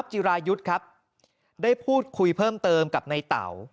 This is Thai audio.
หลุดครับได้พูดคุยเพิ่มเติมกับนายเต๋า